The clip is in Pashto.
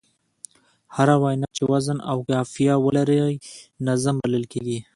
هره وينا چي وزن او قافیه ولري؛ نظم بلل کېږي.